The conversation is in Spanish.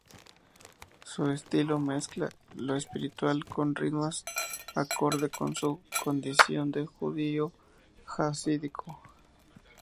Su estilo mezcla lo espiritual con rimas acorde con su condición de Judío Jasídico.